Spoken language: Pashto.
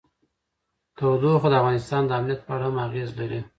تودوخه د افغانستان د امنیت په اړه هم اغېز لري.